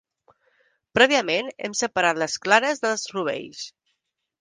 Prèviament, hem separat les clares dels rovells.